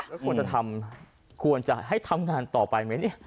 แล้วควรจะทำควรจะให้ทำงานต่อไปไหมเนี่ย